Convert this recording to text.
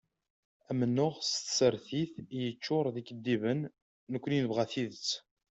Amennuɣ s tsertit yeččur d ikeddiben, nekkni nebɣa tidet.